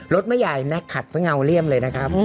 รถไม่ใหญ่นักขัดซะเงาเลี่ยมเลยนะครับ